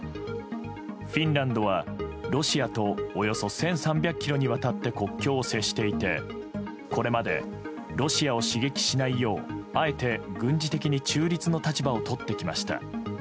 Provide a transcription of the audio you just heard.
フィンランドはロシアとおよそ１３００ｋｍに渡って国境を接していてこれまでロシアを刺激しないようあえて軍事的に中立の立場をとってきました。